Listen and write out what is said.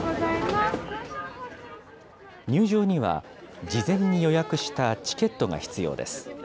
入場には、事前に予約したチケットが必要です。